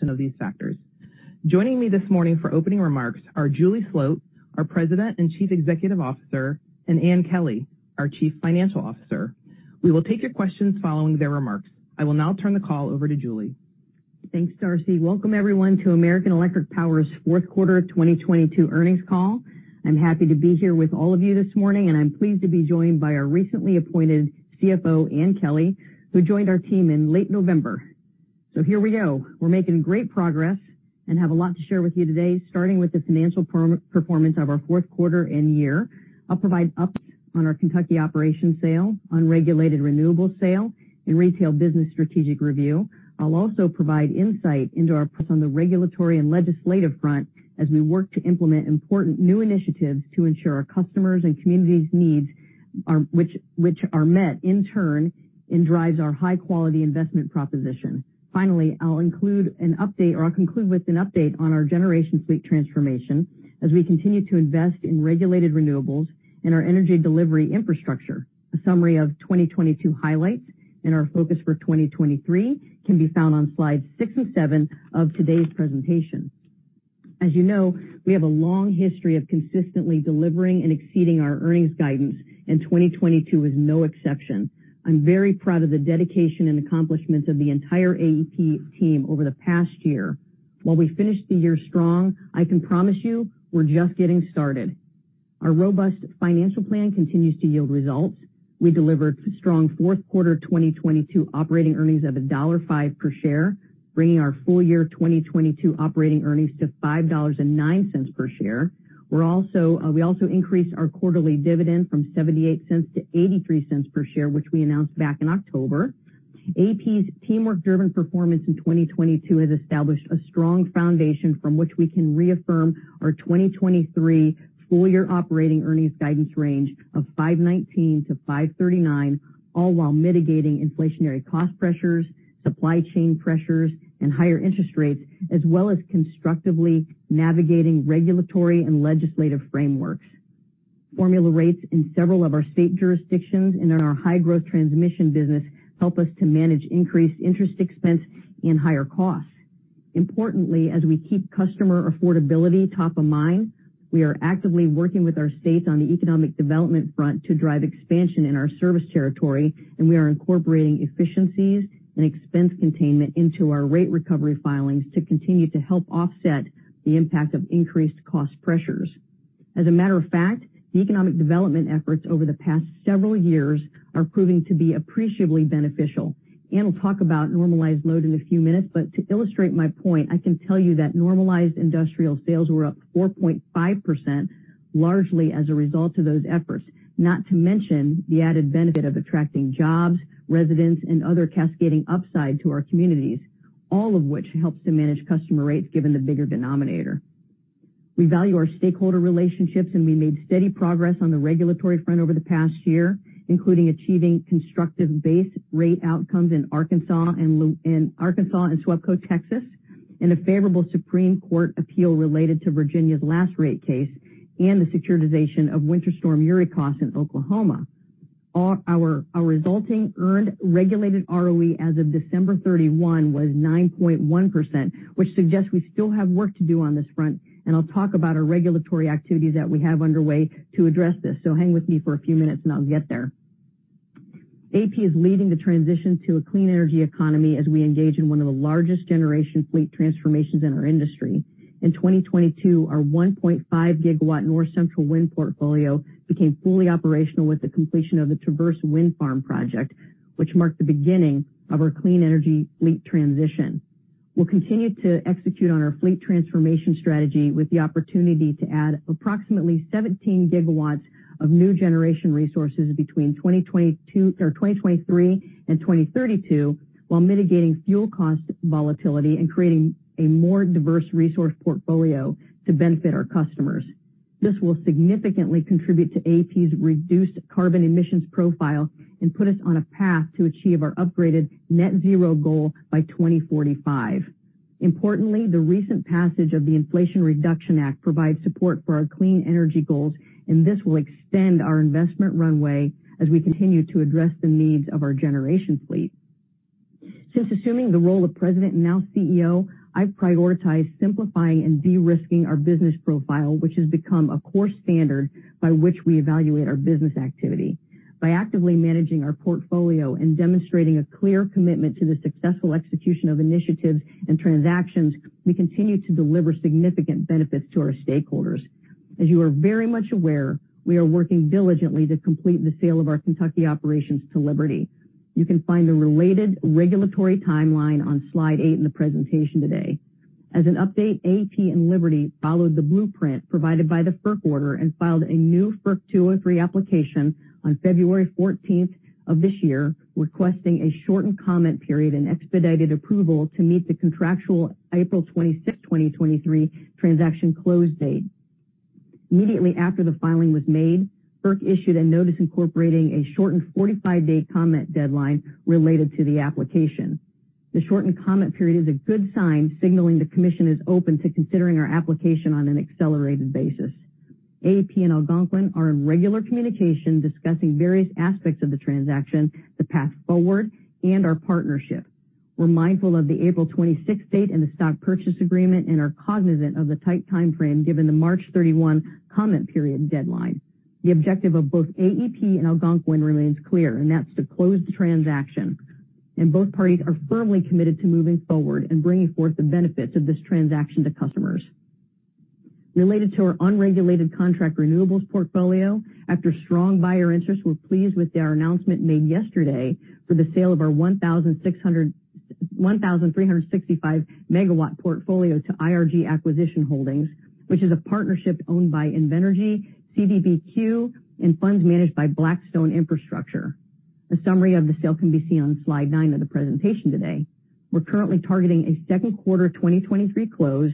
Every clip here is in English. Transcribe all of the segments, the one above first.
Of these factors. Joining me this morning for opening remarks are Julie Sloat, our President and Chief Executive Officer, and Ann Kelly, our Chief Financial Officer. We will take your questions following their remarks. I will now turn the call over to Julie. Thanks, Darcy. Welcome, everyone, to American Electric Power's fourth quarter 2022 earnings call. I'm happy to be here with all of you this morning, I'm pleased to be joined by our recently appointed CFO, Ann Kelly, who joined our team in late November. Here we go. We're making great progress and have a lot to share with you today, starting with the financial performance of our fourth quarter and year. I'll provide updates on our Kentucky operations sale, unregulated renewables sale, and retail business strategic review. I'll also provide insight into our progress on the regulatory and legislative front as we work to implement important new initiatives to ensure our customers' and communities' needs which are met in turn and drives our high-quality investment proposition. Finally, I'll conclude with an update on our generation fleet transformation as we continue to invest in regulated renewables and our energy delivery infrastructure. A summary of 2022 highlights and our focus for 2023 can be found on slides six and seven of today's presentation. As you know, we have a long history of consistently delivering and exceeding our earnings guidance. 2022 is no exception. I'm very proud of the dedication and accomplishments of the entire AEP team over the past year. While we finished the year strong, I can promise you we're just getting started. Our robust financial plan continues to yield results. We delivered strong fourth quarter 2022 operating earnings of $1.05 per share, bringing our full year 2022 operating earnings to $5.09 per share. We're also, we also increased our quarterly dividend from $0.78 to $0.83 per share, which we announced back in October. AEP's teamwork-driven performance in 2022 has established a strong foundation from which we can reaffirm our 2023 full year operating earnings guidance range of $5.19-$5.39, all while mitigating inflationary cost pressures, supply chain pressures, and higher interest rates, as well as constructively navigating regulatory and legislative frameworks. Formula rates in several of our state jurisdictions and in our high-growth transmission business help us to manage increased interest expense and higher costs. As we keep customer affordability top of mind, we are actively working with our states on the economic development front to drive expansion in our service territory. We are incorporating efficiencies and expense containment into our rate recovery filings to continue to help offset the impact of increased cost pressures. As a matter of fact, the economic development efforts over the past several years are proving to be appreciably beneficial. We'll talk about normalized load in a few minutes. To illustrate my point, I can tell you that normalized industrial sales were up 4.5%, largely as a result of those efforts, not to mention the added benefit of attracting jobs, residents, and other cascading upside to our communities, all of which helps to manage customer rates given the bigger denominator. We value our stakeholder relationships, we made steady progress on the regulatory front over the past year, including achieving constructive base rate outcomes in Arkansas and in Arkansas and SWEPCO, Texas, and a favorable Supreme Court appeal related to Virginia's last rate case and the securitization of Winter Storm Uri costs in Oklahoma. Our resulting earned regulated ROE as of December 31 was 9.1%, which suggests we still have work to do on this front. I'll talk about our regulatory activities that we have underway to address this. Hang with me for a few minutes, and I'll get there. AEP is leading the transition to a clean energy economy as we engage in one of the largest generation fleet transformations in our industry. In 2022, our 1.5 gigawatts North Central wind portfolio became fully operational with the completion of the Traverse Wind Farm project, which marked the beginning of our clean energy fleet transition. We'll continue to execute on our fleet transformation strategy with the opportunity to add approximately 17 gigawatts of new generation resources between 2022, or 2023 and 2032, while mitigating fuel cost volatility and creating a more diverse resource portfolio to benefit our customers. This will significantly contribute to AEP's reduced carbon emissions profile and put us on a path to achieve our upgraded net zero goal by 2045. Importantly, the recent passage of the Inflation Reduction Act provides support for our clean energy goals, and this will extend our investment runway as we continue to address the needs of our generation fleet. Since assuming the role of president and now CEO, I've prioritized simplifying and de-risking our business profile, which has become a core standard by which we evaluate our business activity. By actively managing our portfolio and demonstrating a clear commitment to the successful execution of initiatives and transactions, we continue to deliver significant benefits to our stakeholders. As you are very much aware, we are working diligently to complete the sale of our Kentucky operations to Liberty. You can find the related regulatory timeline on slide eight in the presentation today. As an update, AEP and Liberty followed the blueprint provided by the FERC order and filed a new FERC 203 application on February 14th of this year, requesting a shortened comment period and expedited approval to meet the contractual April 26th, 2023, transaction close date. Immediately after the filing was made, FERC issued a notice incorporating a shortened 45-day comment deadline related to the application. The shortened comment period is a good sign, signaling the commission is open to considering our application on an accelerated basis. AEP and Algonquin are in regular communication discussing various aspects of the transaction, the path forward, and our partnership. We're mindful of the April 26th date and the stock purchase agreement and are cognizant of the tight time frame given the March 31 comment period deadline. The objective of both AEP and Algonquin remains clear, and that's to close the transaction, and both parties are firmly committed to moving forward and bringing forth the benefits of this transaction to customers. Related to our unregulated contract renewables portfolio, after strong buyer interest, we're pleased with our announcement made yesterday for the sale of our 1,365 Megawatt portfolio to IRG Acquisition Holdings, which is a partnership owned by Invenergy, CDPQ, and funds managed by Blackstone Infrastructure Partners. A summary of the sale can be seen on slide nine of the presentation today. We're currently targeting a second quarter 2023 close.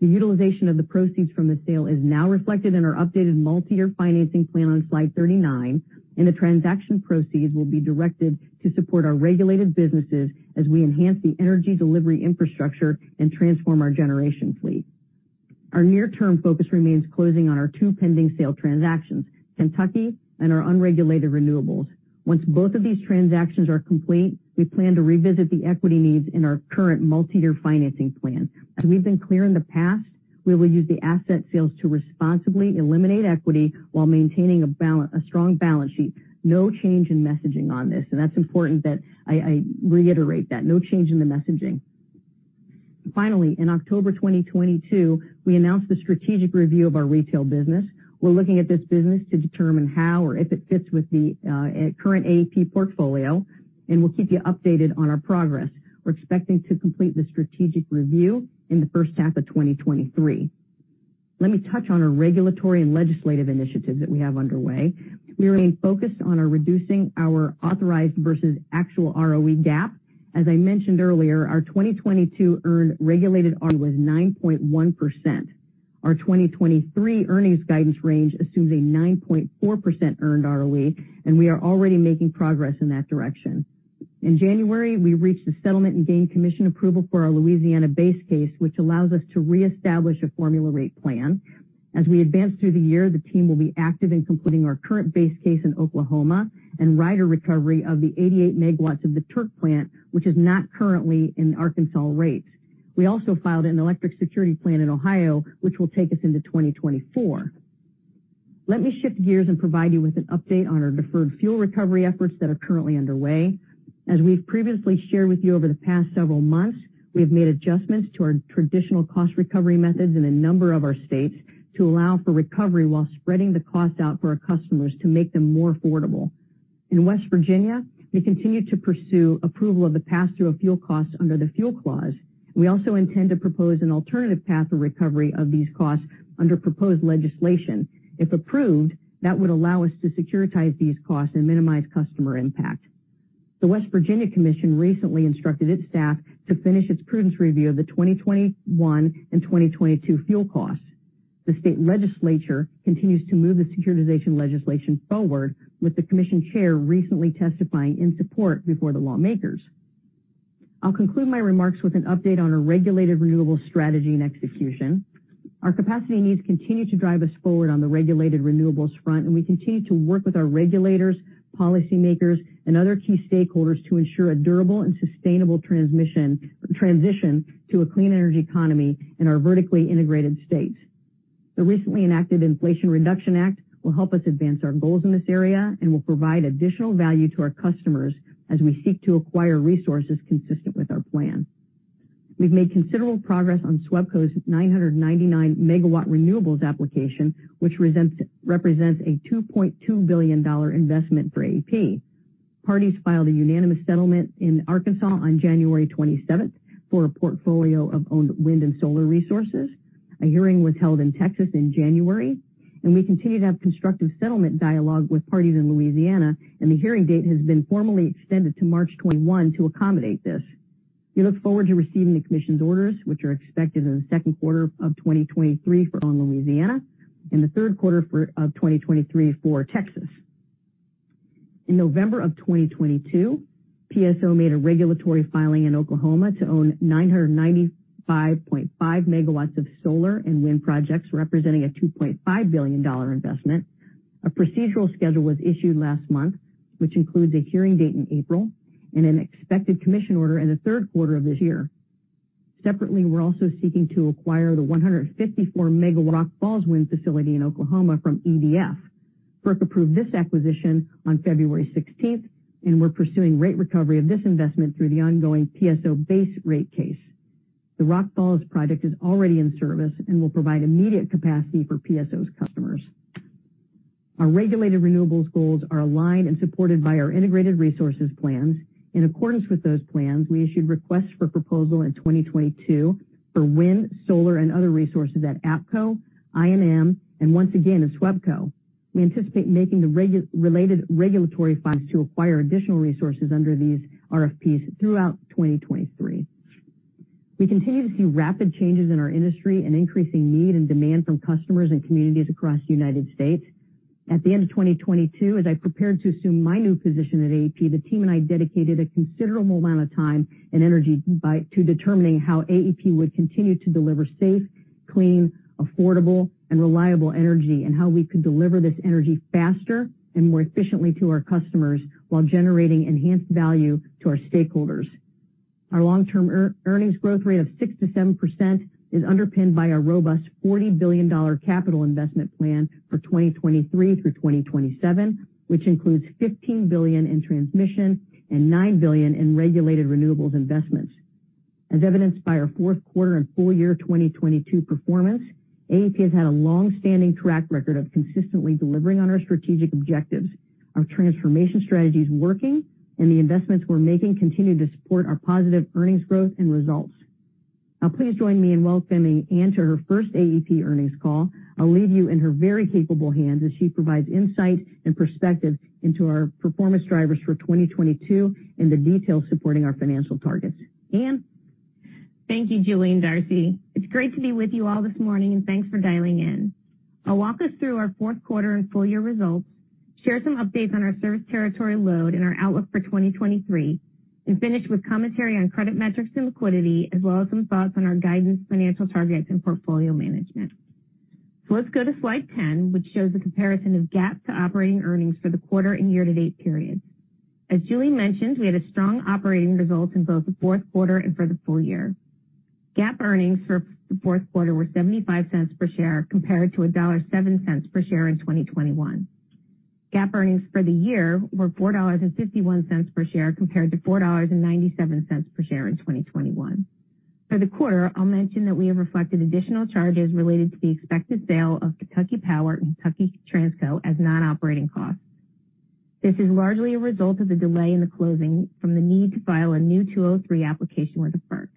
The utilization of the proceeds from the sale is now reflected in our updated multi-year financing plan on slide 39. The transaction proceeds will be directed to support our regulated businesses as we enhance the energy delivery infrastructure and transform our generation fleet. Our near-term focus remains closing on our two pending sale transactions, Kentucky and our unregulated renewables. Once both of these transactions are complete, we plan to revisit the equity needs in our current multi-year financing plan. As we've been clear in the past, we will use the asset sales to responsibly eliminate equity while maintaining a strong balance sheet. No change in messaging on this. That's important that I reiterate that. No change in the messaging. Finally, in October 2022, we announced the strategic review of our retail business. We're looking at this business to determine how or if it fits with the current AEP portfolio. We'll keep you updated on our progress. We're expecting to complete the strategic review in the first half of 2023. Let me touch on our regulatory and legislative initiatives that we have underway. We remain focused on our reducing our authorized versus actual ROE gap. As I mentioned earlier, our 2022 earned regulated ROE was 9.1%. Our 2023 earnings guidance range assumes a 9.4% earned ROE, and we are already making progress in that direction. In January, we reached a settlement and gained commission approval for our Louisiana base case, which allows us to reestablish a formula rate plan. As we advance through the year, the team will be active in completing our current base case in Oklahoma and rider recovery of the 88 Megawatts of the Turk plant, which is not currently in the Arkansas rate. We also filed an Electric Security Plan in Ohio, which will take us into 2024. Let me shift gears and provide you with an update on our deferred fuel recovery efforts that are currently underway. As we've previously shared with you over the past several months, we have made adjustments to our traditional cost recovery methods in a number of our states to allow for recovery while spreading the cost out for our customers to make them more affordable. In West Virginia, we continue to pursue approval of the pass-through of fuel costs under the fuel clause. We also intend to propose an alternative path of recovery of these costs under proposed legislation. If approved, that would allow us to securitize these costs and minimize customer impact. The West Virginia Commission recently instructed its staff to finish its prudence review of the 2021 and 2022 fuel costs. The state legislature continues to move the securitization legislation forward, with the commission chair recently testifying in support before the lawmakers. I'll conclude my remarks with an update on our regulated renewables strategy and execution. Our capacity needs continue to drive us forward on the regulated renewables front. We continue to work with our regulators, policymakers, and other key stakeholders to ensure a durable and sustainable transition to a clean energy economy in our vertically integrated states. The recently enacted Inflation Reduction Act will help us advance our goals in this area and will provide additional value to our customers as we seek to acquire resources consistent with our plan. We've made considerable progress on SWEPCO's 999 Megawatt renewables application, which represents a $2.2 billion investment for AEP. Parties filed a unanimous settlement in Arkansas on January 27th for a portfolio of owned wind and solar resources. A hearing was held in Texas in January. We continue to have constructive settlement dialogue with parties in Louisiana. The hearing date has been formally extended to March 21 to accommodate this. We look forward to receiving the Commission's orders, which are expected in the second quarter of 2023 for on Louisiana and the third quarter of 2023 for Texas. In November of 2022, PSO made a regulatory filing in Oklahoma to own 995.5 Megawatts of solar and wind projects, representing a $2.5 billion investment. A procedural schedule was issued last month, which includes a hearing date in April and an expected commission order in the third quarter of this year. Separately, we're also seeking to acquire the 154 Megawatt Rock Falls wind facility in Oklahoma from EDF. FERC approved this acquisition on February 16th, and we're pursuing rate recovery of this investment through the ongoing PSO base rate case. The Rock Falls project is already in service and will provide immediate capacity for PSO's customers. Our regulated renewables goals are aligned and supported by our Integrated Resource Plans. In accordance with those plans, we issued Requests for Proposal in 2022 for wind, solar, and other resources at APCO, INM, and once again at SWEPCO. We anticipate making related regulatory filings to acquire additional resources under these RFPs throughout 2023. We continue to see rapid changes in our industry and increasing need and demand from customers and communities across the United States. At the end of 2022, as I prepared to assume my new position at AEP, the team and I dedicated a considerable amount of time and energy to determining how AEP would continue to deliver safe, clean, affordable and reliable energy, and how we could deliver this energy faster and more efficiently to our customers while generating enhanced value to our stakeholders. Our long-term earnings growth rate of 6%-7% is underpinned by our robust $40 billion capital investment plan for 2023 through 2027, which includes $15 billion in transmission and $9 billion in regulated renewables investments. As evidenced by our 4th quarter and full year 2022 performance, AEP has had a long-standing track record of consistently delivering on our strategic objectives. Our transformation strategy is working and the investments we're making continue to support our positive earnings growth and results. Now please join me in welcoming Ann to her first AEP earnings call. I'll leave you in her very capable hands as she provides insight and perspective into our performance drivers for 2022 and the details supporting our financial targets. Ann? Thank you, Julie and Darcy. It's great to be with you all this morning, and thanks for dialing in. I'll walk us through our fourth quarter and full year results, share some updates on our service territory load and our outlook for 2023, and finish with commentary on credit metrics and liquidity, as well as some thoughts on our guidance, financial targets, and portfolio management. Let's go to slide 10, which shows a comparison of GAAP to operating earnings for the quarter and year-to-date period. As Julie mentioned, we had a strong operating result in both the fourth quarter and for the full year. GAAP earnings for the fourth quarter were $0.75 per share compared to $1.07 per share in 2021. GAAP earnings for the year were $4.51 per share compared to $4.97 per share in 2021. For the quarter, I'll mention that we have reflected additional charges related to the expected sale of Kentucky Power and Kentucky Transco as non-operating costs. This is largely a result of the delay in the closing from the need to file a new 203 application with the FERC.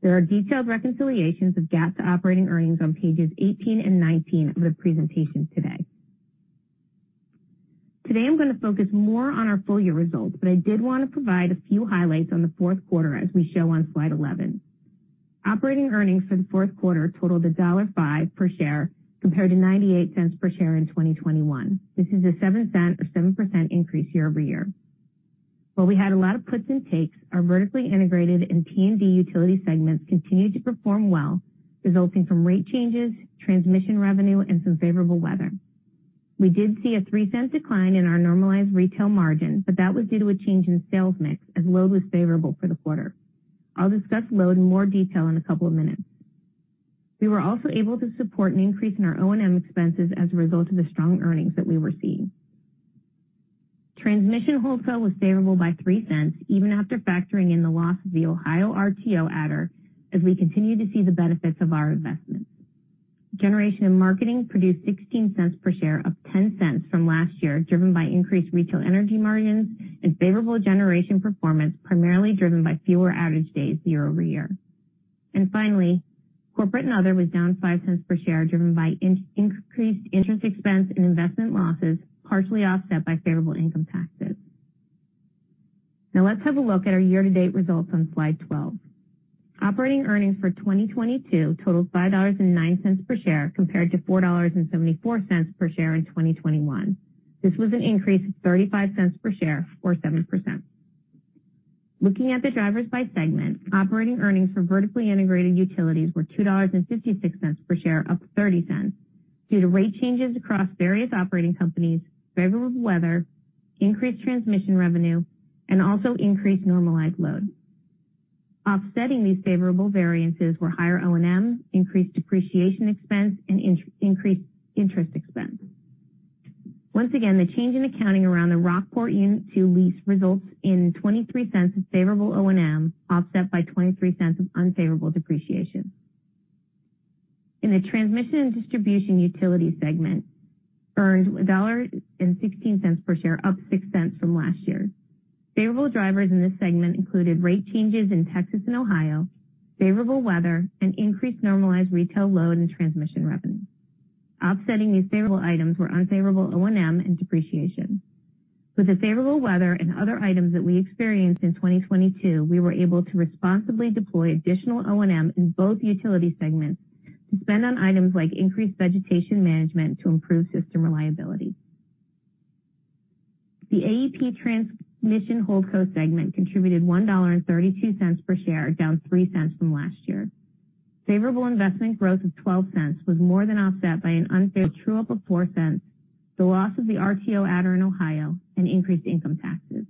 There are detailed reconciliations of GAAP to operating earnings on pages 18 and 19 of the presentation today. Today I'm gonna focus more on our full year results, but I did want to provide a few highlights on the fourth quarter as we show on slide 11. Operating earnings for the fourth quarter totaled $1.05 per share compared to $0.98 per share in 2021. This is a $0.07 or 7% increase year-over-year. While we had a lot of puts and takes, our vertically integrated and T&D utility segments continued to perform well, resulting from rate changes, transmission revenue, and some favorable weather. We did see a $0.03 decline in our normalized retail margin, but that was due to a change in sales mix as load was favorable for the quarter. I'll discuss load in more detail in a couple of minutes. We were also able to support an increase in our O&M expenses as a result of the strong earnings that we were seeing. Transmission wholesale was favorable by $0.03 even after factoring in the loss of the Ohio RTO adder as we continue to see the benefits of our investments. Generation and Marketing produced $0.16 per share, up $0.10 from last year, driven by increased retail energy margins and favorable generation performance, primarily driven by fewer outage days year-over-year. Finally, Corporate and Other was down $0.05 per share, driven by increased interest expense and investment losses, partially offset by favorable income taxes. Let's have a look at our year-to-date results on slide 12. Operating earnings for 2022 totaled $5.09 per share compared to $4.74 per share in 2021. This was an increase of $0.35 per share or 7%. Looking at the drivers by segment, operating earnings for vertically integrated utilities were $2.56 per share, up $0.30 due to rate changes across various operating companies, favorable weather, increased transmission revenue, and also increased normalized load. Offsetting these favorable variances were higher O&M, increased depreciation expense, and increased interest expense. Once again, the change in accounting around the Rockport Unit Two lease results in $0.23 of favorable O&M, offset by $0.23 of unfavorable depreciation. In the transmission and distribution utility segment, earned $1.16 per share, up $0.06 from last year. Favorable drivers in this segment included rate changes in Texas and Ohio, favorable weather, and increased normalized retail load and transmission revenue. Offsetting these favorable items were unfavorable O&M and depreciation. With the favorable weather and other items that we experienced in 2022, we were able to responsibly deploy additional O&M in both utility segments to spend on items like increased vegetation management to improve system reliability. The AEP Transmission Holdco segment contributed $1.32 per share, down $0.03 from last year. Favorable investment growth of $0.12 was more than offset by an unfavorable true-up of $0.04, the loss of the RTO adder in Ohio, and increased income taxes.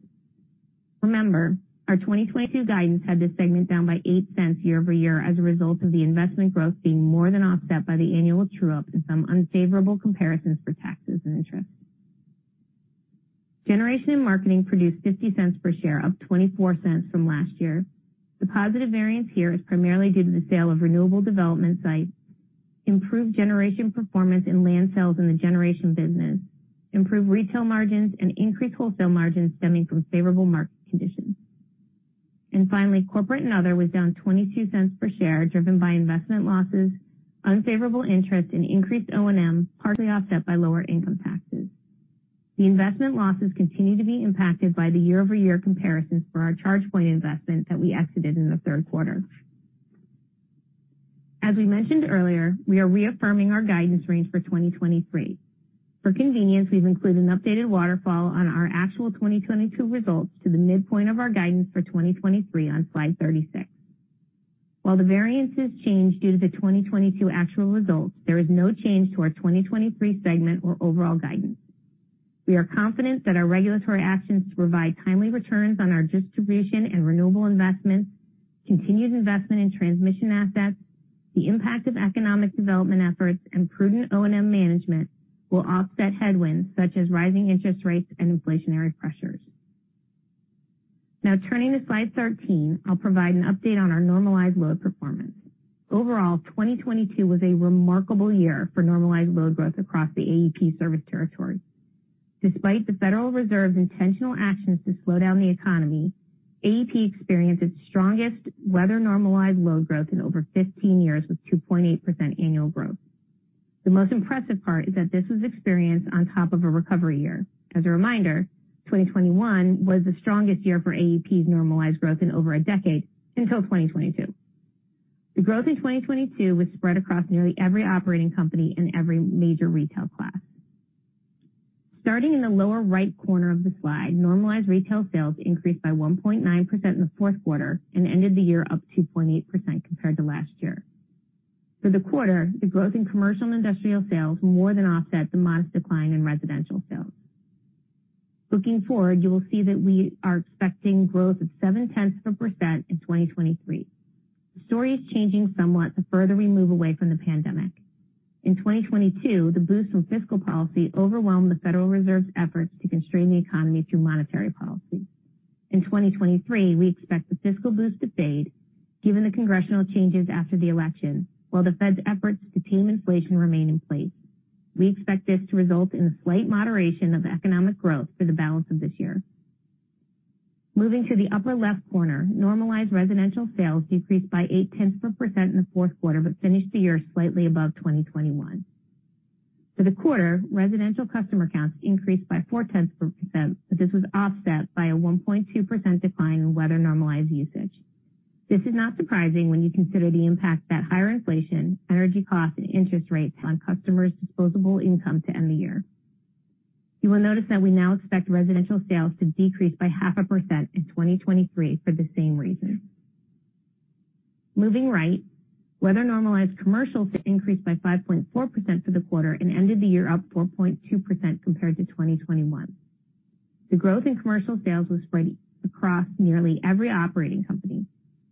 Remember, our 2022 guidance had this segment down by $0.08 year-over-year as a result of the investment growth being more than offset by the annual true-up and some unfavorable comparisons for taxes and interest. Generation and Marketing produced $0.50 per share, up $0.24 from last year. The positive variance here is primarily due to the sale of renewable development sites, improved generation performance and land sales in the generation business, improved retail margins and increased wholesale margins stemming from favorable market conditions. Finally, corporate and other was down $0.22 per share, driven by investment losses, unfavorable interest, and increased O&M, partly offset by lower income taxes. The investment losses continue to be impacted by the year-over-year comparisons for our ChargePoint investment that we exited in the third quarter. As we mentioned earlier, we are reaffirming our guidance range for 2023. For convenience, we've included an updated waterfall on our actual 2022 results to the midpoint of our guidance for 2023 on slide 36. While the variances change due to the 2022 actual results, there is no change to our 2023 segment or overall guidance. We are confident that our regulatory actions to provide timely returns on our distribution and renewable investments, continued investment in transmission assets, the impact of economic development efforts and prudent O&M management will offset headwinds such as rising interest rates and inflationary pressures. Now turning to slide 13, I'll provide an update on our normalized load performance. Overall, 2022 was a remarkable year for normalized load growth across the AEP service territory. Despite the Federal Reserve's intentional actions to slow down the economy, AEP experienced its strongest weather normalized load growth in over 15 years with 2.8% annual growth. The most impressive part is that this was experienced on top of a recovery year. As a reminder, 2021 was the strongest year for AEP's normalized growth in over a decade until 2022. The growth in 2022 was spread across nearly every operating company in every major retail class. Starting in the lower right corner of the slide, normalized retail sales increased by 1.9% in the fourth quarter and ended the year up 2.8% compared to last year. For the quarter, the growth in commercial and industrial sales more than offset the modest decline in residential sales. Looking forward, you will see that we are expecting growth of 0.7% in 2023. The story is changing somewhat the further we move away from the pandemic. In 2022, the boost from fiscal policy overwhelmed the Federal Reserve's efforts to constrain the economy through monetary policy. In 2023, we expect the fiscal boost to fade given the congressional changes after the election while the Fed's efforts to tame inflation remain in place. We expect this to result in a slight moderation of economic growth for the balance of this year. Moving to the upper left corner, normalized residential sales decreased by 0.8% in the fourth quarter, but finished the year slightly above 2021. For the quarter, residential customer counts increased by 0.4%, this was offset by a 1.2% decline in weather normalized usage. This is not surprising when you consider the impact that higher inflation, energy costs, and interest rates on customers' disposable income to end the year. You will notice that we now expect residential sales to decrease by 0.5% in 2023 for the same reason. Moving right, weather normalized commercials increased by 5.4% for the quarter and ended the year up 4.2% compared to 2021. The growth in commercial sales was spread across nearly every operating company.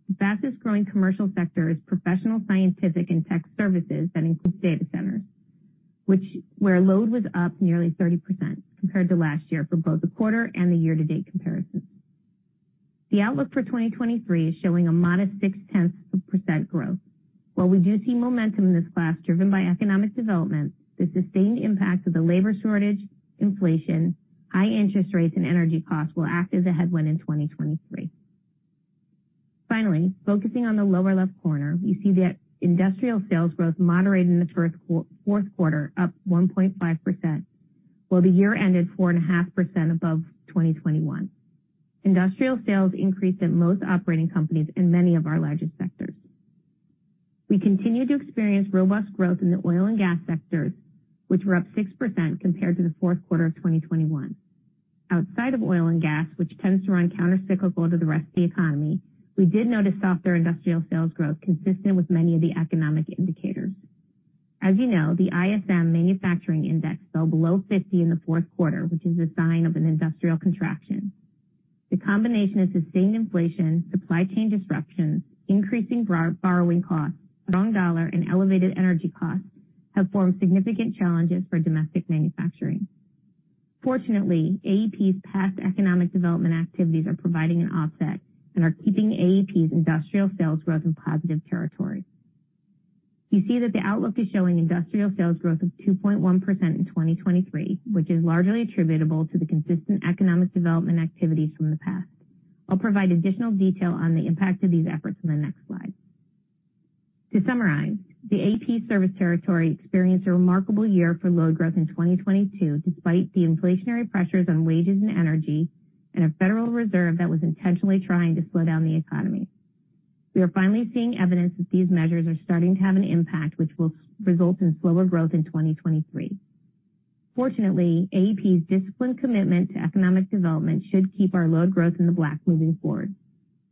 The fastest-growing commercial sector is professional, scientific, and tech services that includes data centers, where load was up nearly 30% compared to last year for both the quarter and the year-to-date comparison. The outlook for 2023 is showing a modest 0.6% growth. While we do see momentum in this class driven by economic development, the sustained impact of the labor shortage, inflation, high interest rates, and energy costs will act as a headwind in 2023. Finally, focusing on the lower left corner, you see that industrial sales growth moderated in the fourth quarter, up 1.5%, while the year ended 4.5% above 2021. Industrial sales increased in most operating companies in many of our largest sectors. We continue to experience robust growth in the oil and gas sectors, which were up 6% compared to the fourth quarter of 2021. Outside of oil and gas, which tends to run countercyclical to the rest of the economy, we did notice softer industrial sales growth consistent with many of the economic indicators. As you know, the ISM Manufacturing Index fell below 50 in the fourth quarter, which is a sign of an industrial contraction. The combination of sustained inflation, supply chain disruptions, increasing borrowing costs, strong dollar, and elevated energy costs have formed significant challenges for domestic manufacturing. Fortunately, AEP's past economic development activities are providing an offset and are keeping AEP's industrial sales growth in positive territory. You see that the outlook is showing industrial sales growth of 2.1% in 2023, which is largely attributable to the consistent economic development activities from the past. I'll provide additional detail on the impact of these efforts in the next slide. To summarize, the AEP service territory experienced a remarkable year for load growth in 2022 despite the inflationary pressures on wages and energy and a Federal Reserve that was intentionally trying to slow down the economy. We are finally seeing evidence that these measures are starting to have an impact which will result in slower growth in 2023. Fortunately, AEP's disciplined commitment to economic development should keep our load growth in the black moving forward.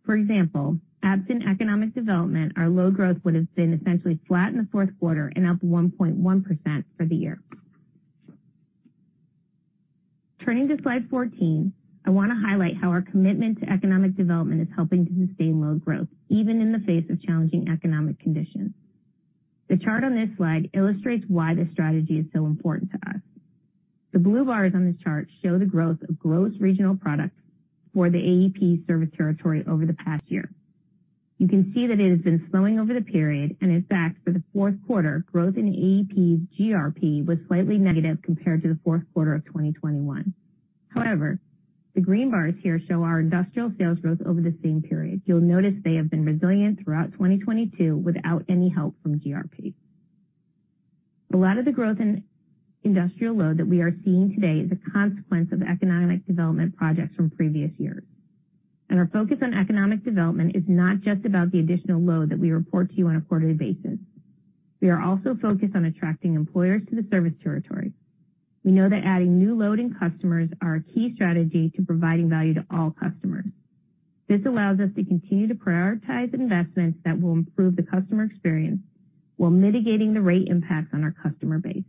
For example, absent economic development, our load growth would have been essentially flat in the fourth quarter and up 1.1% for the year. Turning to slide 14, I wanna highlight how our commitment to economic development is helping to sustain load growth, even in the face of challenging economic conditions. The chart on this slide illustrates why this strategy is so important to us. The blue bars on this chart show the growth of gross regional product for the AEP service territory over the past year. You can see that it has been slowing over the period and in fact for the fourth quarter, growth in AEP's GRP was slightly negative compared to the fourth quarter of 2021. The green bars here show our industrial sales growth over the same period. You'll notice they have been resilient throughout 2022 without any help from GRP. A lot of the growth in industrial load that we are seeing today is a consequence of economic development projects from previous years. Our focus on economic development is not just about the additional load that we report to you on a quarterly basis. We are also focused on attracting employers to the service territory. We know that adding new load and customers are a key strategy to providing value to all customers. This allows us to continue to prioritize investments that will improve the customer experience while mitigating the rate impacts on our customer base.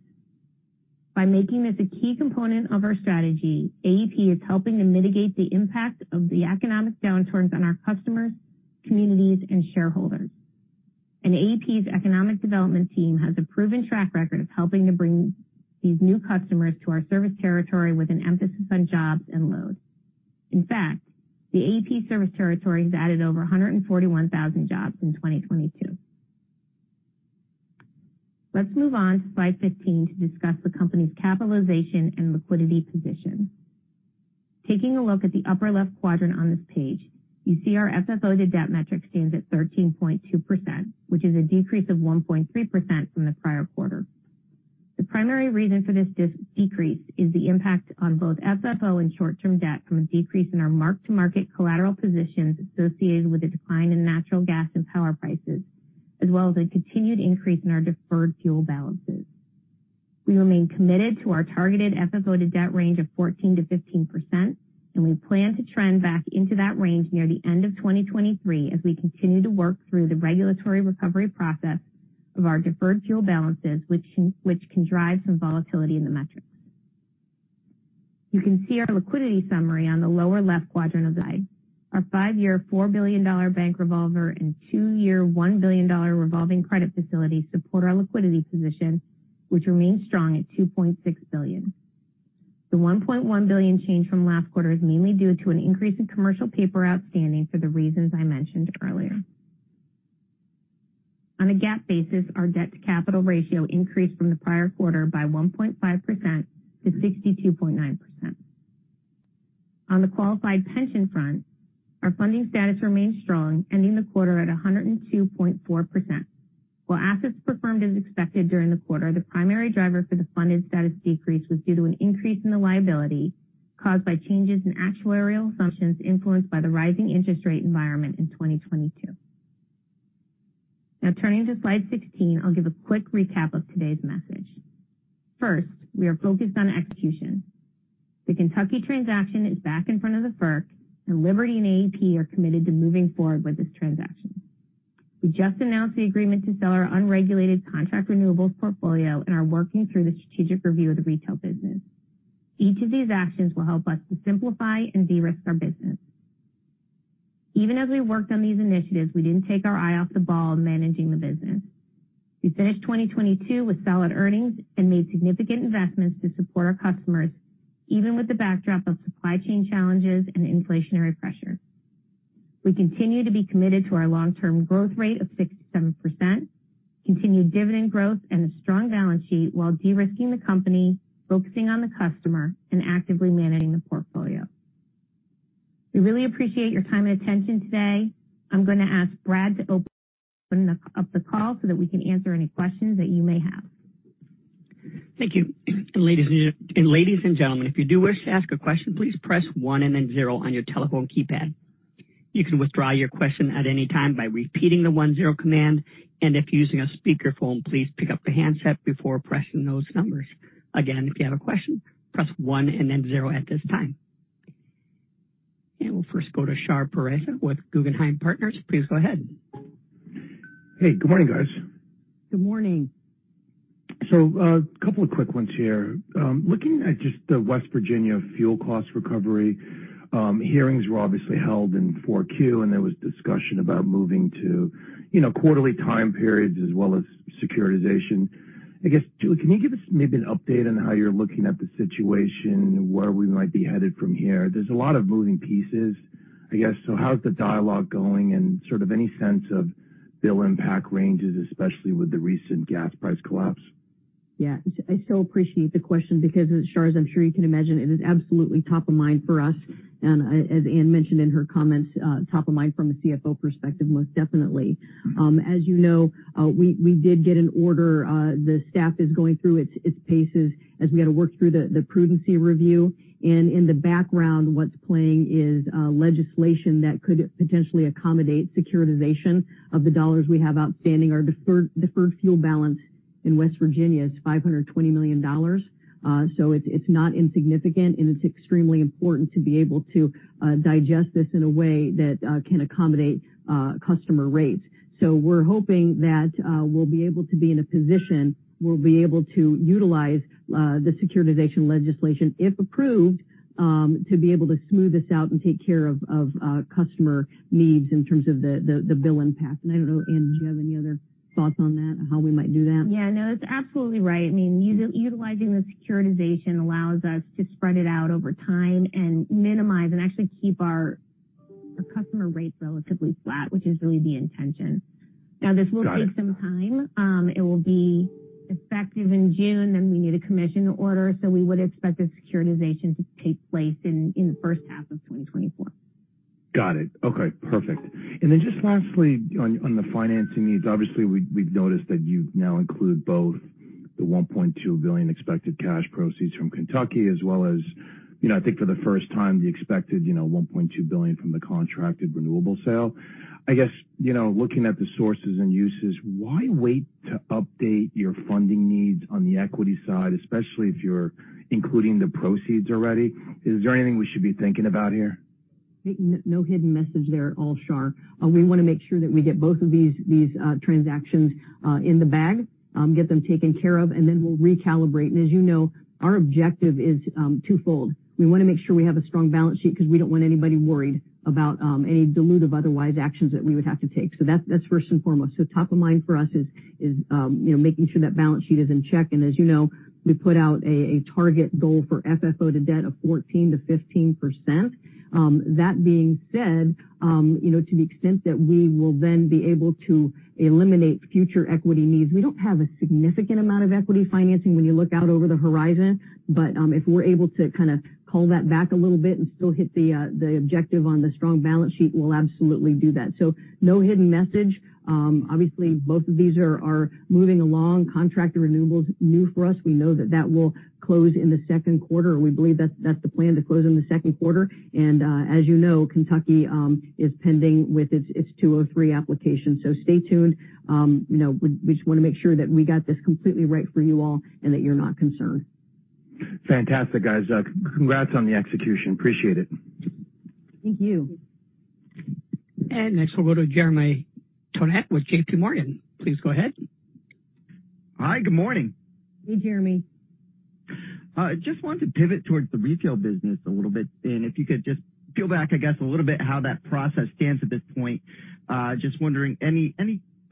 By making this a key component of our strategy, AEP is helping to mitigate the impact of the economic downturns on our customers, communities, and shareholders. AEP's economic development team has a proven track record of helping to bring these new customers to our service territory with an emphasis on jobs and load. In fact, the AEP service territory has added over 141,000 jobs in 2022. Let's move on to slide 15 to discuss the company's capitalization and liquidity position. Taking a look at the upper left quadrant on this page, you see our FFO to Debt metric stands at 13.2%, which is a decrease of 1.3% from the prior quarter. The primary reason for this decrease is the impact on both FFO and short-term debt from a decrease in our mark-to-market collateral positions associated with a decline in natural gas and power prices, as well as a continued increase in our deferred fuel balances. We remain committed to our targeted FFO to Debt range of 14%-15%, and we plan to trend back into that range near the end of 2023 as we continue to work through the regulatory recovery process of our deferred fuel balances, which can drive some volatility in the metrics. You can see our liquidity summary on the lower left quadrant of the slide. Our 5-year, $4 billion bank revolver and 2-year, $1 billion revolving credit facility support our liquidity position, which remains strong at $2.6 billion. The $1.1 billion change from last quarter is mainly due to an increase in commercial paper outstanding for the reasons I mentioned earlier. On a GAAP basis, our debt-to-capital ratio increased from the prior quarter by 1.5% to 62.9%. On the qualified pension front, our funding status remains strong, ending the quarter at 102.4%. While assets performed as expected during the quarter, the primary driver for the funded status decrease was due to an increase in the liability caused by changes in actuarial assumptions influenced by the rising interest rate environment in 2022. Turning to slide 16, I'll give a quick recap of today's message. First, we are focused on execution. The Kentucky transaction is back in front of the FERC, and Liberty and AEP are committed to moving forward with this transaction. We just announced the agreement to sell our unregulated contract renewables portfolio and are working through the strategic review of the retail business. Each of these actions will help us to simplify and de-risk our business. Even as we worked on these initiatives, we didn't take our eye off the ball in managing the business. We finished 2022 with solid earnings and made significant investments to support our customers, even with the backdrop of supply chain challenges and inflationary pressure. We continue to be committed to our long-term growth rate of 6%-7%, continued dividend growth, and a strong balance sheet while de-risking the company, focusing on the customer, and actively managing the portfolio. We really appreciate your time and attention today. I'm gonna ask Brad to open up the call so that we can answer any questions that you may have. Thank you. Ladies and gentlemen, if you do wish to ask a question, please press one and then zero on your telephone keypad. You can withdraw your question at any time by repeating the one-zero command. If you're using a speakerphone, please pick up the handset before pressing those numbers. Again, if you have a question, press one and then zero at this time. We'll first go to Shahriar Pourreza with Guggenheim Partners. Please go ahead. Hey, good morning, guys. Good morning. A couple of quick ones here. Looking at just the West Virginia fuel cost recovery, hearings were obviously held in 4Q, and there was discussion about moving to, you know, quarterly time periods as well as securitization. I guess, Julie, can you give us maybe an update on how you're looking at the situation, where we might be headed from here? There's a lot of moving pieces, I guess, so how's the dialogue going? Sort of any sense of bill impact ranges, especially with the recent gas price collapse? Yeah. I so appreciate the question because, Shar, as I'm sure you can imagine, it is absolutely top of mind for us, and as Ann mentioned in her comments, top of mind from a CFO perspective, most definitely. As you know, we did get an order. The staff is going through its paces as we had to work through the prudency review. In the background, what's playing is legislation that could potentially accommodate securitization of the dollars we have outstanding. Our deferred fuel balance in West Virginia is $520 million, so it's not insignificant, and it's extremely important to be able to digest this in a way that can accommodate customer rates. We're hoping that we'll be able to be in a position we'll be able to utilize the securitization legislation, if approved, to be able to smooth this out and take care of customer needs in terms of the bill impact. I don't know, Ann, did you have any other thoughts on that, how we might do that? That's absolutely right. I mean, utilizing the securitization allows us to spread it out over time and minimize and actually keep our customer rates relatively flat, which is really the intention. Got it. This will take some time. It will be effective in June, then we need a commission order, so we would expect the securitization to take place in the first half of 2024. Got it. Okay, perfect. Just lastly on the financing needs. Obviously, we've noticed that you now include both the $1.2 billion expected cash proceeds from Kentucky as well as, you know, I think for the first time, the expected, you know, $1.2 billion from the contracted renewable sale. I guess, you know, looking at the sources and uses, why wait to update your funding needs on the equity side, especially if you're including the proceeds already? Is there anything we should be thinking about here? No hidden message there at all, Shar. We want to make sure that we get both of these transactions in the bag, get them taken care of, and then we'll recalibrate. As you know, our objective is twofold. We want to make sure we have a strong balance sheet because we don't want anybody worried about any dilutive otherwise actions that we would have to take. That's first and foremost. Top of mind for us is, you know, making sure that balance sheet is in check. As you know, we put out a target goal for FFO to Debt of 14%-15%. That being said, you know, to the extent that we will then be able to eliminate future equity needs, we don't have a significant amount of equity financing when you look out over the horizon. If we're able to kind of pull that back a little bit and still hit the objective on the strong balance sheet, we'll absolutely do that. No hidden message. Obviously, both of these are moving along. Contract to renewable is new for us. We know that that will close in the second quarter, or we believe that's the plan to close in the second quarter. As you know, Kentucky is pending with its FERC Section 203 application. Stay tuned. You know, we just want to make sure that we got this completely right for you all and that you're not concerned. Fantastic, guys. Congrats on the execution. Appreciate it. Thank you. Next we'll go to Jeremy Tonet with JPMorgan. Please go ahead. Hi, good morning. Hey, Jeremy. Just wanted to pivot towards the retail business a little bit. If you could just peel back, I guess, a little bit how that process stands at this point. Just wondering, any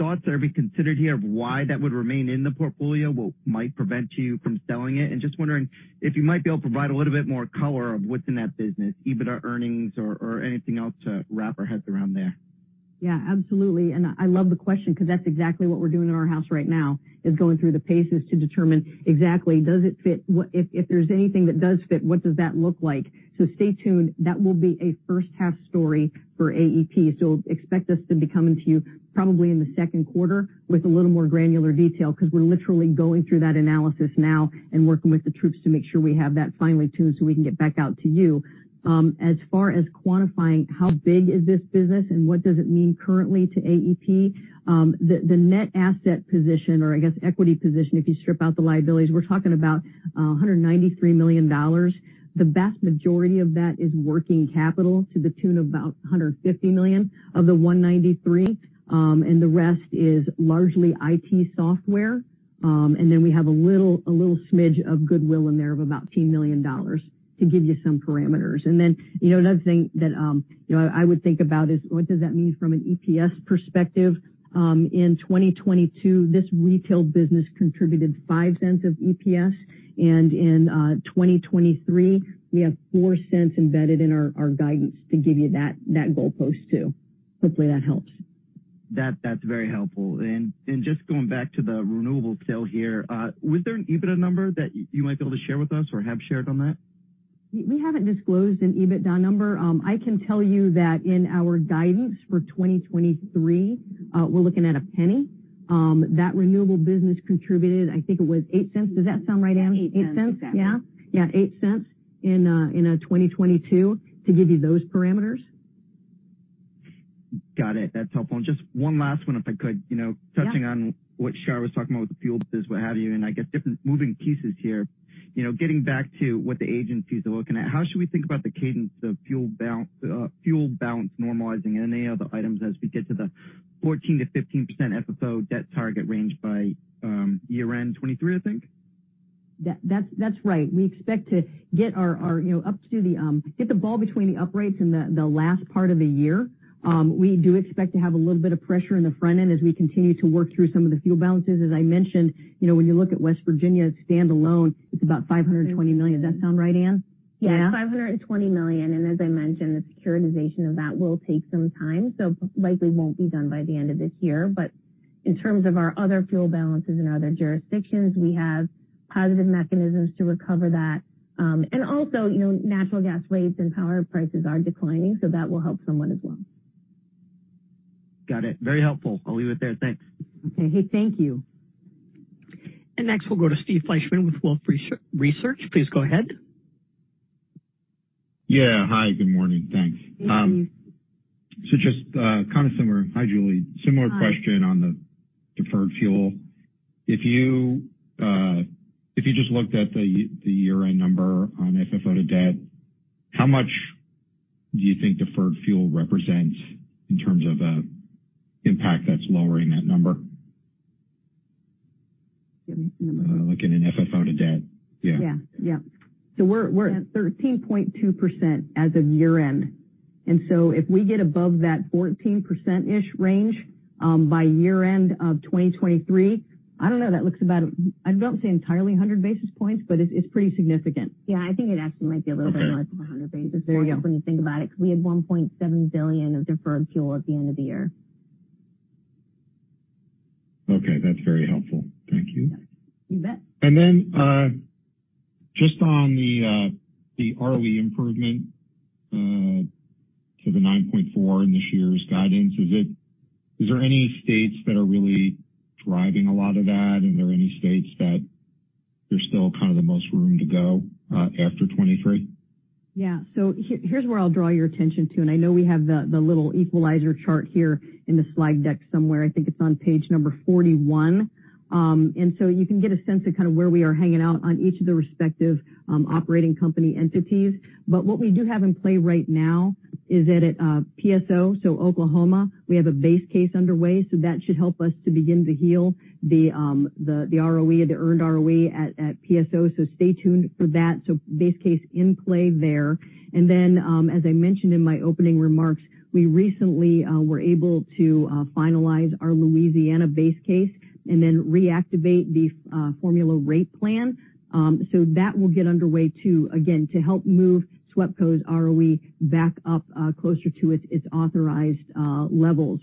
thoughts that are being considered here of why that would remain in the portfolio? What might prevent you from selling it? Just wondering if you might be able to provide a little bit more color of what's in that business, EBITDA earnings or anything else to wrap our heads around there. Yeah, absolutely. I love the question because that's exactly what we're doing in our house right now is going through the paces to determine exactly does it fit. If there's anything that does fit, what does that look like? Stay tuned. That will be a first half story for AEP. Expect us to be coming to you probably in the second quarter with a little more granular detail because we're literally going through that analysis now and working with the troops to make sure we have that finely tuned so we can get back out to you. As far as quantifying how big is this business and what does it mean currently to AEP, the net asset position or I guess equity position, if you strip out the liabilities, we're talking about $193 million. The vast majority of that is working capital to the tune of about $150 million of the 193, and the rest is largely IT software. We have a little, a little smidge of goodwill in there of about $10 million to give you some parameters. You know, another thing that, you know, I would think about is what does that mean from an EPS perspective, in 2022, this retail business contributed $0.05 of EPS. In 2023, we have $0.04 embedded in our guidance to give you that goalpost too. Hopefully that helps. That's very helpful. Just going back to the renewable sale here, was there an EBITDA number that you might be able to share with us or have shared on that? We haven't disclosed an EBITDA number. I can tell you that in our guidance for 2023, we're looking at $0.01, that renewable business contributed, I think it was $0.08. Does that sound right, Ann? Mm-hmm. $0.08? $0.08, exactly. Yeah, $0.08 in 2022 to give you those parameters. Got it. That's helpful. Just one last one, if I could. Yeah. You know, touching on what Shar was talking about with the fuel business, what have you, and I guess different moving pieces here. You know, getting back to what the agencies are looking at, how should we think about the cadence of fuel balance normalizing and any other items as we get to the 14%-15% FFO debt target range by year-end 2023, I think? That's right. We expect to get our, you know, up to the get the ball between the uprights in the last part of the year. We do expect to have a little bit of pressure in the front end as we continue to work through some of the fuel balances. As I mentioned, you know, when you look at West Virginia standalone, it's about $520 million. Does that sound right, Ann? Yeah. Yeah. $520 million. As I mentioned, the securitization of that will take some time. Likely won't be done by the end of this year. In terms of our other fuel balances in other jurisdictions, we have positive mechanisms to recover that. Also, you know, natural gas rates and power prices are declining, so that will help somewhat as well. Got it. Very helpful. I'll leave it there. Thanks. Okay. Thank you. Next we'll go to Steven Fleishman with Wolfe Research. Please go ahead. Yeah. Hi, good morning. Thanks. Good morning. Just, kind of similar. Hi, Julie. Hi. Similar question on the deferred fuel. If you just looked at the year-end number on FFO to Debt, how much do you think deferred fuel represents in terms of, impact that's lowering that number? Give me a number. Like in an FFO to Debt. Yeah. Yeah. Yeah. We're at 13.2% as of year-end. If we get above that 14%-ish range, by year-end of 2023, I don't know, that looks about, I don't say entirely 100 basis points, but it's pretty significant. Yeah, I think it actually might be a little bit more. Okay. -than 100 basis points- There you go. when you think about it, because we had $1.7 billion of deferred fuel at the end of the year. Okay, that's very helpful. Thank you. You bet. Just on the ROE improvement to the 9.4 in this year's guidance, is there any states that are really driving a lot of that? Are there any states that there's still kind of the most room to go after 2023? Here, here's where I'll draw your attention to, and I know we have the little equalizer chart here in the slide deck somewhere. I think it's on page number 41. You can get a sense of kind of where we are hanging out on each of the respective, operating company entities. What we do have in play right now is that at PSO, so Oklahoma, we have a base case underway, so that should help us to begin to heal the ROE or the earned ROE at PSO, so stay tuned for that. Base case in play there. Then, as I mentioned in my opening remarks, we recently, were able to, finalize our Louisiana base case and then reactivate the formula rate plan. So that will get underway too, again, to help move SWEPCO's ROE back up, closer to its authorized, levels.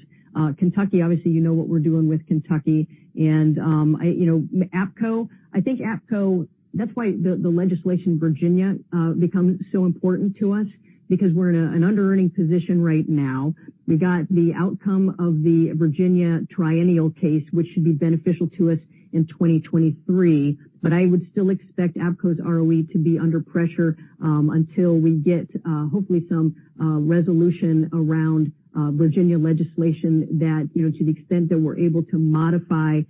Kentucky, obviously you know what we're doing with Kentucky and, you know, APCO, I think APCO, that's why the legislation Virginia, becomes so important to us because we're in an underearning position right now. We got the outcome of the Virginia triennial case, which should be beneficial to us in 2023, but I would still expect APCO's ROE to be under pressure, until we get, hopefully some, resolution around, Virginia legislation that, you know, to the extent that we're able to modify,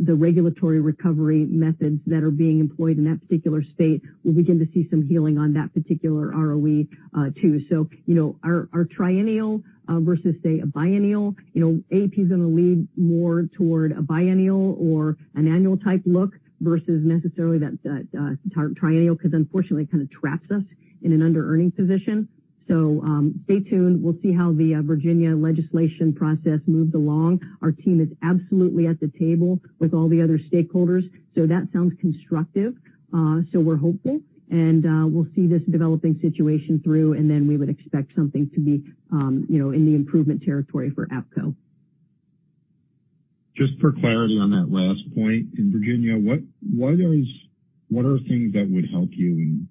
the regulatory recovery methods that are being employed in that particular state, we'll begin to see some healing on that particular ROE, too. You know, our triennial versus say a biennial, you know, AP is gonna lead more toward a biennial or an annual type look versus necessarily that triennial because unfortunately it kind of traps us in an underearning position. Stay tuned. We'll see how the Virginia legislation process moves along. Our team is absolutely at the table with all the other stakeholders, that sounds constructive. We're hopeful and we'll see this developing situation through, we would expect something to be, you know, in the improvement territory for APCO. Just for clarity on that last point in Virginia, what are things that would help you in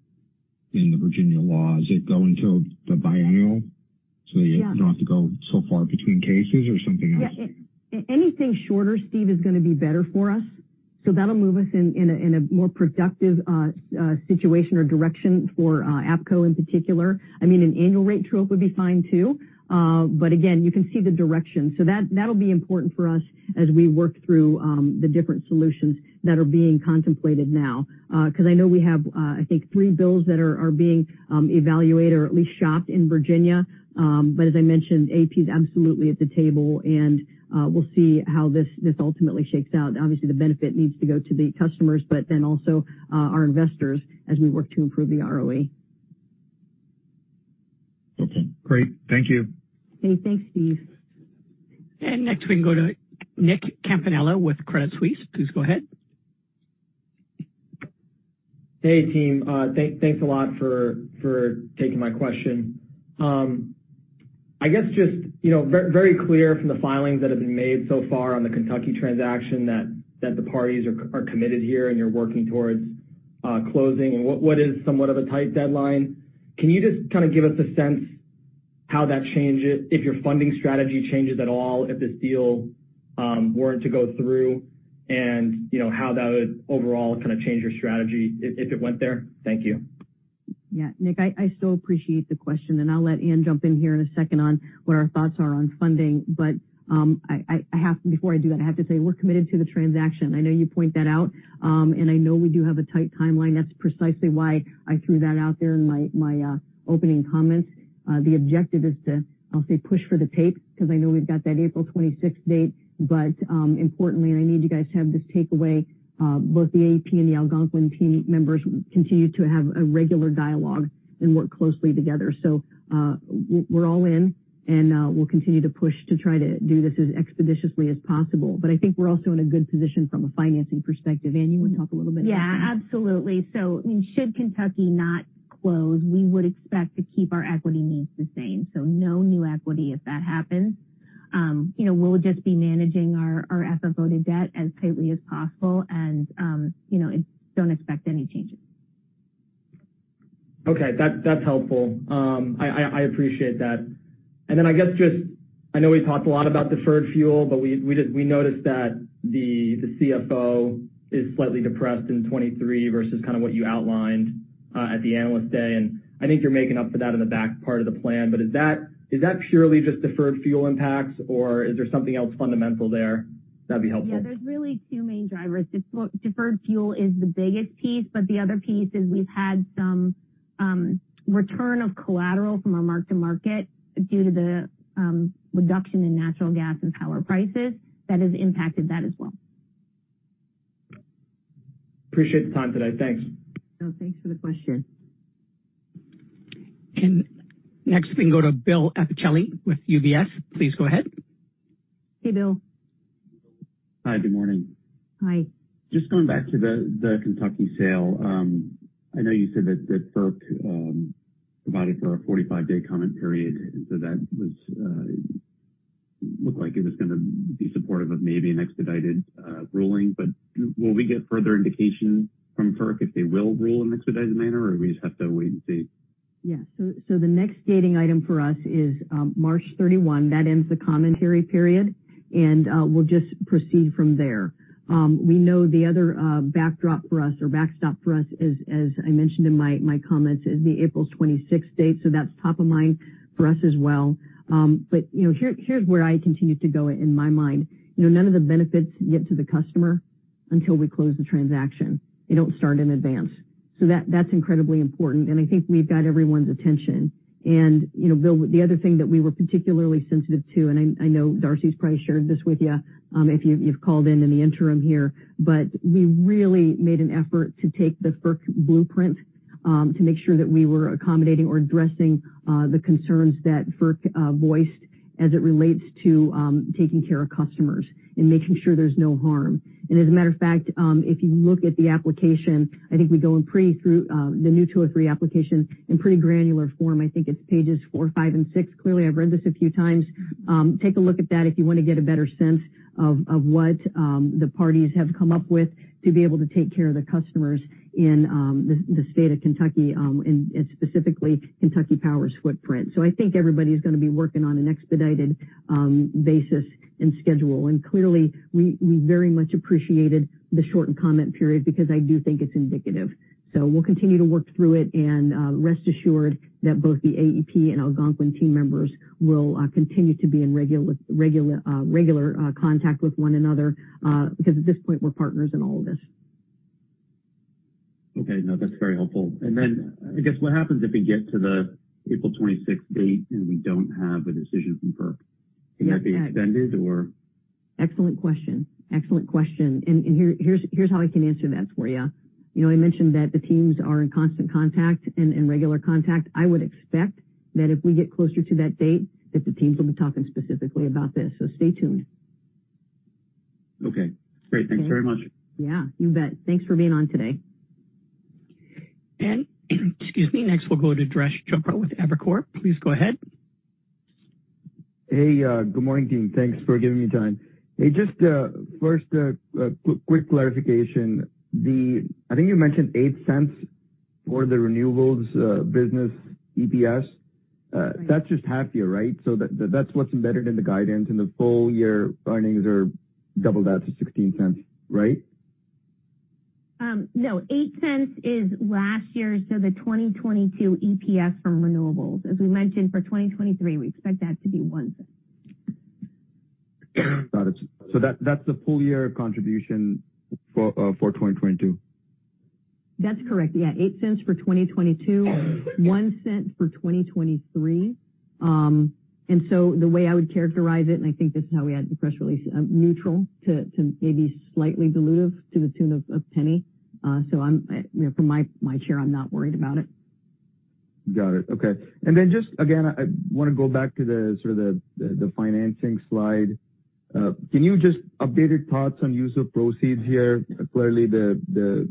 the Virginia laws that go into the biennial so that you. Yeah. Don't have to go so far between cases or something else? Yeah. Anything shorter, Steve, is gonna be better for us. That'll move us in a more productive situation or direction for APCO in particular. I mean, an annual rate true-up would be fine too. Again, you can see the direction. That, that'll be important for us as we work through the different solutions that are being contemplated now. I know we have, I think three bills that are being evaluated or at least shopped in Virginia. As I mentioned, AEP is absolutely at the table, and we'll see how this ultimately shakes out. Obviously, the benefit needs to go to the customers, but then also, our investors as we work to improve the ROE. Okay, great. Thank you. Okay, thanks, Steve. Next we can go to Nicholas Campanella with Credit Suisse. Please go ahead. Hey, team. Thanks a lot for taking my question. I guess just, you know, very clear from the filings that have been made so far on the Kentucky transaction that the parties are committed here and you're working towards closing and what is somewhat of a tight deadline. Can you just kind of give us a sense how that changes if your funding strategy changes at all if this deal were to go through and, you know, how that would overall kind of change your strategy if it went there? Thank you. Nick, I so appreciate the question, and I'll let Ann jump in here in a second on what our thoughts are on funding. Before I do that, I have to say we're committed to the transaction. I know you point that out, and I know we do have a tight timeline. That's precisely why I threw that out there in my opening comments. The objective is to, I'll say, push for the tape because I know we've got that April 26th date. Importantly, and I need you guys to have this takeaway, both the AEP and the Algonquin team members continue to have a regular dialogue and work closely together. We're all in, and we'll continue to push to try to do this as expeditiously as possible. I think we're also in a good position from a financing perspective. Ann, you want to talk a little bit about that? Yeah, absolutely. Should Kentucky not close, we would expect to keep our equity needs the same. No new equity if that happens. You know, we'll just be managing our asset-voted debt as tightly as possible and, you know, don't expect any changes. Okay. That's, that's helpful. I appreciate that. I guess just I know we talked a lot about deferred fuel, but we noticed that the CFO is slightly depressed in 23 versus kind of what you outlined at the Analyst Day. I think you're making up for that in the back part of the plan. Is that, is that purely just deferred fuel impacts, or is there something else fundamental there? That'd be helpful. Yeah. There's really two main drivers. Deferred fuel is the biggest piece. The other piece is we've had some return of collateral from our mark-to-market due to the reduction in natural gas and power prices that has impacted that as well. Appreciate the time today. Thanks. No, thanks for the question. Next we can go to Bill Appicelli with UBS. Please go ahead. Hey, Bill. Hi, good morning. Hi. Just going back to the Kentucky sale, I know you said that FERC provided for a 45-day comment period, so that was looked like it was gonna be supportive of maybe an expedited ruling. Will we get further indication from FERC if they will rule in expedited manner, or we just have to wait and see? Yes. The next gating item for us is March 31. That ends the commentary period, and we'll just proceed from there. We know the other backdrop for us or backstop for us is, as I mentioned in my comments, is the April 26th date, that's top of mind for us as well. You know, here's where I continue to go in my mind. You know, none of the benefits get to the customer until we close the transaction. They don't start in advance. That's incredibly important, and I think we've got everyone's attention. You know, Bill, the other thing that we were particularly sensitive to, and I know Darcy's probably shared this with you, if you've called in in the interim here, we really made an effort to take the FERC blueprint to make sure that we were accommodating or addressing the concerns that FERC voiced as it relates to taking care of customers and making sure there's no harm. As a matter of fact, if you look at the application, I think we go in pretty through the FERC Section 203 application in pretty granular form. I think it's pages four, five and six. Clearly, I've read this a few times. Take a look at that if you want to get a better sense of what the parties have come up with to be able to take care of the customers in the state of Kentucky, and specifically Kentucky Power's footprint. I think everybody's gonna be working on an expedited basis and schedule. Clearly, we very much appreciated the shortened comment period because I do think it's indicative. We'll continue to work through it and rest assured that both the AEP and Algonquin team members will continue to be in regular contact with one another because at this point we're partners in all of this. Okay. No, that's very helpful. Then I guess what happens if we get to the April 26th date, and we don't have a decision from FERC? Yeah. Can that be extended or... Excellent question. Excellent question. Here's how I can answer that for you. You know, I mentioned that the teams are in constant contact and regular contact. I would expect that if we get closer to that date, that the teams will be talking specifically about this. Stay tuned. Okay. Great. Okay. Thanks very much. Yeah. You bet. Thanks for being on today. Excuse me. Next, we'll go to Durgesh Chopra with Evercore. Please go ahead. Hey, good morning, team. Thanks for giving me time. Hey, just, first, a quick clarification. I think you mentioned $0.08 for the renewables business EPS. Right. That's just half year, right? That's what's embedded in the guidance, the full year earnings are double that to $0.16, right? No. $0.08 is last year, so the 2022 EPS from renewables. As we mentioned for 2023, we expect that to be $0.01. Got it. that's the full year contribution for 2022. That's correct, yeah. $0.08 for 2022, $0.01 for 2023. The way I would characterize it, and I think this is how we had the press release, neutral to maybe slightly dilutive to the tune of $0.01. I'm, you know, from my chair, I'm not worried about it. Got it. Okay. Just again, I wanna go back to the sort of the financing slide. Can you just update your thoughts on use of proceeds here? Clearly the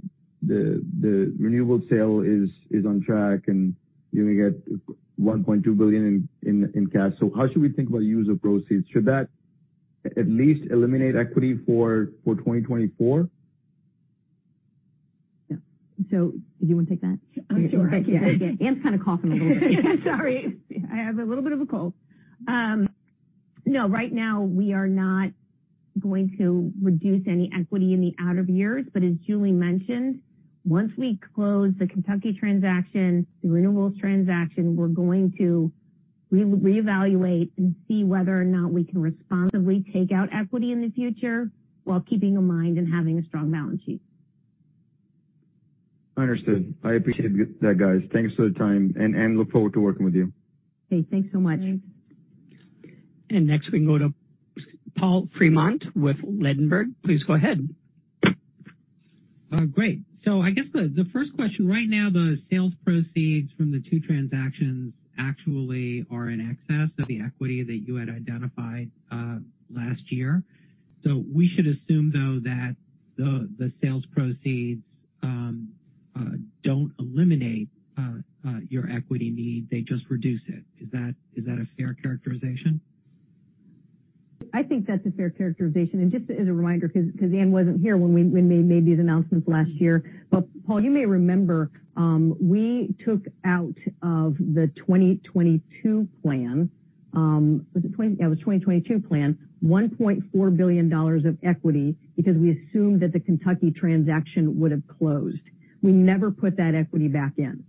renewable sale is on track, and you're gonna get $1.2 billion in cash. How should we think about use of proceeds? Should that at least eliminate equity for 2024? Yeah. Do you wanna take that? Sure. Go ahead. Yeah. Ann's kind of coughing a little bit. Sorry. I have a little bit of a cold. No, right now we are not going to reduce any equity in the out of years, but as Julie mentioned, once we close the Kentucky transaction, the renewables transaction, we're going to re-evaluate and see whether or not we can responsibly take out equity in the future while keeping in mind and having a strong balance sheet. Understood. I appreciate that, guys. Thanks for the time, and look forward to working with you. Okay. Thanks so much. Thanks. Next we can go to Paul Fremont with Ladenburg. Please go ahead. Great. I guess the first question. Right now, the sales proceeds from the two transactions actually are in excess of the equity that you had identified, last year. We should assume, though, that the sales proceeds don't eliminate your equity need, they just reduce it. Is that a fair characterization? Just as a reminder, 'cause Ann wasn't here when we made these announcements last year, but Paul, you may remember, we took out of the 2022 plan, it was 2022 plan, $1.4 billion of equity because we assumed that the Kentucky transaction would have closed. We never put that equity back in.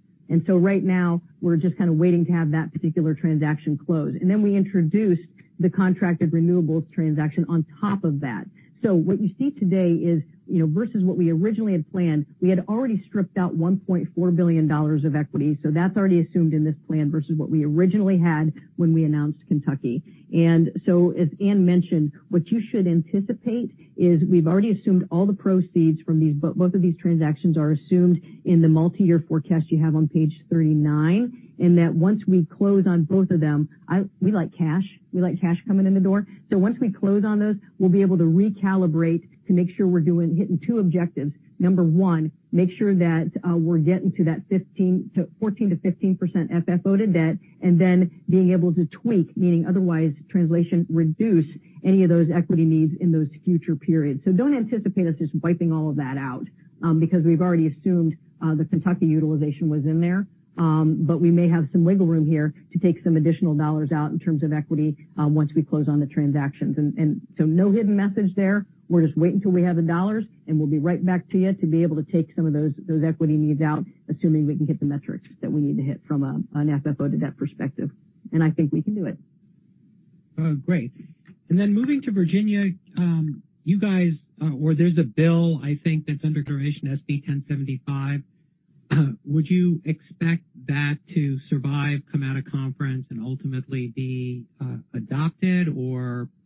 Right now we're just kind of waiting to have that particular transaction closed. We introduced the contracted renewables transaction on top of that. What you see today is, you know, versus what we originally had planned, we had already stripped out $1.4 billion of equity, so that's already assumed in this plan versus what we originally had when we announced Kentucky. As Ann mentioned, what you should anticipate is we've already assumed all the proceeds from both of these transactions are assumed in the multiyear forecast you have on page 39, and that once we close on both of them, we like cash, we like cash coming in the door. Once we close on those, we'll be able to recalibrate to make sure we're hitting two objectives. Number one, make sure that we're getting to that 14%-15% FFO to Debt and then being able to tweak, meaning otherwise translation reduce any of those equity needs in those future periods. Don't anticipate us just wiping all of that out because we've already assumed the Kentucky utilization was in there. We may have some wiggle room here to take some additional dollars out in terms of equity once we close on the transactions. No hidden message there. We're just waiting till we have the dollars. We'll be right back to you to be able to take some of those equity needs out, assuming we can hit the metrics that we need to hit from an FFO to Debt perspective. I think we can do it. Oh, great. Moving to Virginia, you guys, there's a bill, I think that's under duration SB 1075. Would you expect that to survive, come out of conference and ultimately be adopted?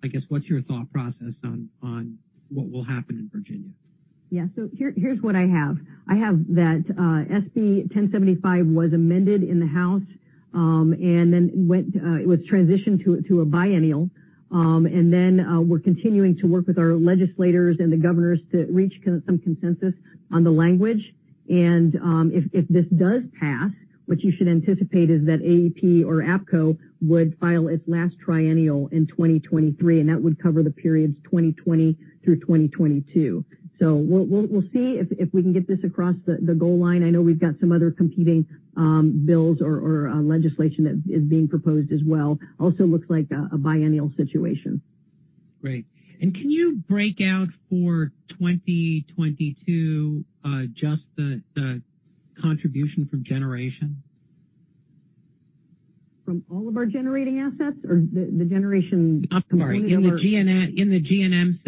I guess, what's your thought process on what will happen in Virginia? Here's what I have. I have that SB 1075 was amended in the House, and then it was transitioned to a biennial. We're continuing to work with our legislators and the governors to reach some consensus on the language. If this does pass, what you should anticipate is that AEP or APCO would file its last triennial in 2023, and that would cover the periods 2020 through 2022. We'll see if we can get this across the goal line. I know we've got some other competing bills or legislation that is being proposed as well. Also looks like a biennial situation. Great. Can you break out for 2022, just the contribution from Generation? From all of our generating assets or the generation component. I'm sorry. In the G&M.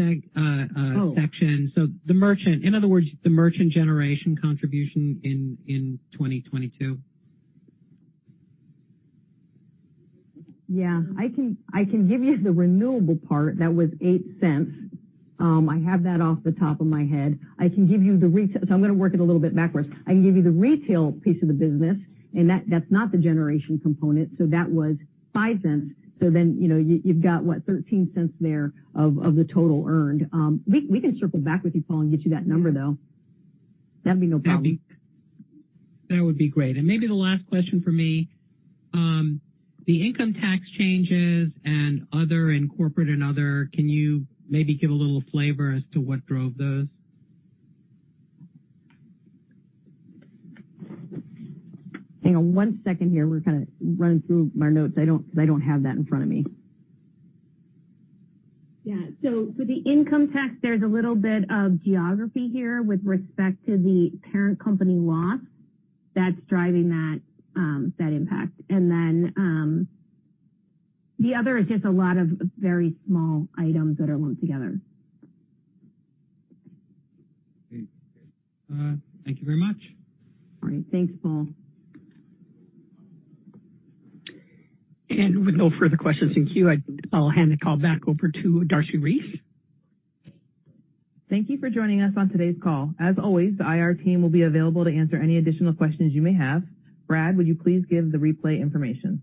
Oh. -section. The merchant, in other words, the merchant generation contribution in 2022. Yeah. I can give you the renewable part that was $0.08. I have that off the top of my head. I can give you the retail. I'm gonna work it a little bit backwards. I can give you the retail piece of the business, and that's not the generation component, that was $0.05. You know, you've got, what, $0.13 there of the total earned. We can circle back with you, Paul, and get you that number, though. That'd be no problem. That would be great. Maybe the last question for me. The income tax changes and other in corporate and other, can you maybe give a little flavor as to what drove those? Hang on one second here. We're kind of running through my notes. I don't, 'cause I don't have that in front of me. Yeah. For the income tax, there's a little bit of geography here with respect to the parent company loss that's driving that impact. The other is just a lot of very small items that are lumped together. Great. Thank you very much. All right. Thanks, Paul. With no further questions in queue, I'll hand the call back over to Darcy Reese. Thank you for joining us on today's call. As always, the IR team will be available to answer any additional questions you may have. Brad, would you please give the replay information?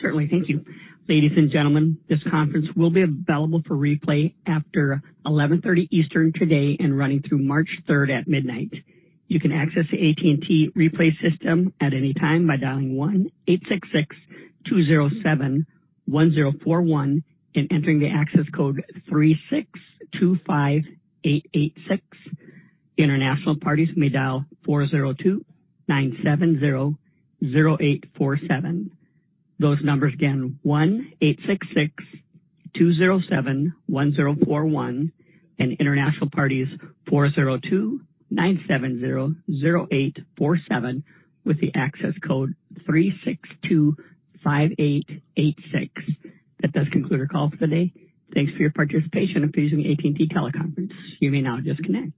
Certainly. Thank you. Ladies and gentlemen, this conference will be available for replay after eleven thirty Eastern today and running through March third at midnight. You can access the AT&T replay system at any time by dialing one eight six six two zero seven one zero four one and entering the access code three six two five eight eight six. International parties may dial four zero two nine seven zero zero eight four seven. Those numbers again one eight six six two zero seven one zero four one, and international parties four zero two nine seven zero zero eight four seven with the access code three six two five eight eight six. That does conclude our call for the day. Thanks for your participation and for using the AT&T Teleconference. You may now disconnect.